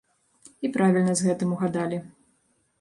І правільна з гэтым угадалі.